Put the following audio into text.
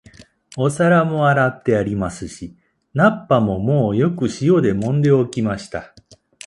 お皿も洗ってありますし、菜っ葉ももうよく塩でもんで置きました